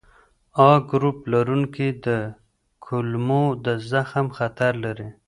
A ګروپ لرونکي د کولمو د زخم خطر لري.